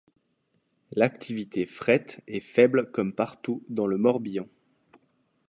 L'activité fret est faible comme partout dans le Morbihan.